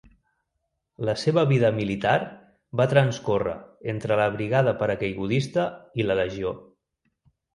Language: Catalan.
La seva vida militar va transcórrer entre la Brigada Paracaigudista i La Legió.